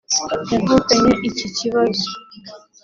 yavukanye iki kibazo